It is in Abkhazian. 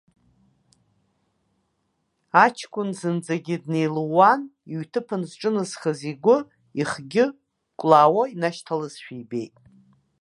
Аҷкәын зынӡагьы днеилууаан, иҩҭыԥаны зҿыназхаз игәы, ихгьы кәлаауа инашьҭалазшәа ибеит.